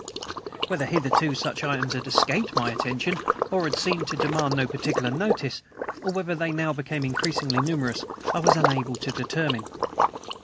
Whether, hitherto, such items had escaped my attention or had seemed to demand no particular notice, or whether they now became increasingly numerous, I was unable to determine.